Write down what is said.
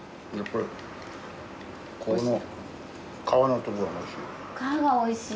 この皮のところがおいしい。